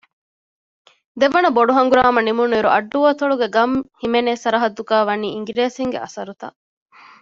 ދެވަނަ ބޮޑު ހަނގުރާމަ ނިމުނުއިރު އައްޑު އަތޮޅުގެ ގަން ހިމެނޭ ސަރަޙައްދުގައި ވަނީ އިނގިރޭސީންގެ އަސަރުތައް